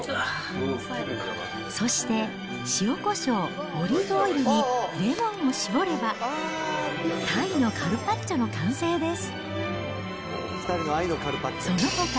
そして、塩こしょう、オリーブオイルにレモンを搾れば、タイのカルパッチョの完成です。